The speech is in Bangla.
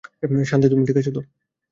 শান্তি তুমি ঠিক আছতো?